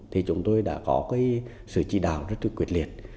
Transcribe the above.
thì chúng tôi đã có sự chỉ đạo rất quyệt liệt